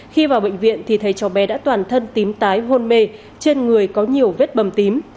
khi vào bệnh viện thì thấy cháu bé đã toàn thân tím tái hôn mê trên người có nhiều vết bầm tím